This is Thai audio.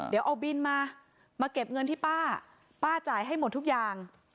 เดี๋ยวเอาบินมามาเก็บเงินที่ป้าป้าจ่ายให้หมดทุกอย่าง